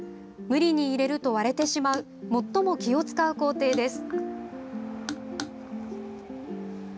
無理に入れると割れてしまう最も気を使う工程です。